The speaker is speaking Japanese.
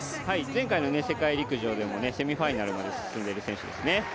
前回の世界陸上でもセミファイナルまで進んでいる選手ですね。